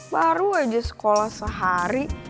baru aja sekolah sehari